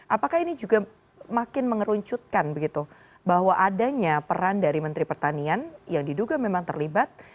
apakah ini juga makin mengerucutkan begitu bahwa adanya peran dari menteri pertanian yang diduga memang terlibat